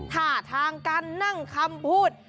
ท่าทางการนั่งคำพูด